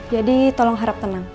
jadi tolong harap tenang